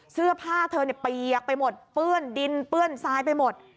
เสื้อผ้าเธอเนี่ยเปียกไปหมดเปื้อนดินเปื้อนทรายไปหมด